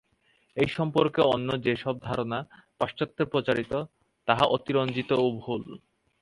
এই সম্পর্কে অন্য যে-সব ধারণা পাশ্চাত্যে প্রচারিত, তাহা অতিরঞ্জিত ও ভুল।